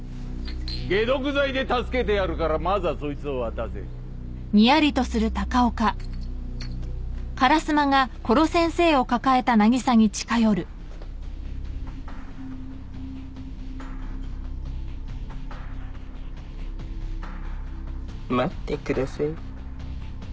解毒剤で助けてやるからまずはそいつを渡せ待ってください